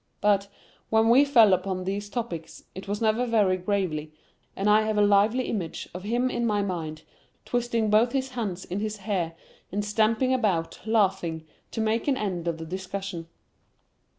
But, when we fell upon these topics, it was never very gravely, and I have a lively image of him in my mind, twisting both his hands in his hair, and stamping about, laughing, to make an end of the discussion.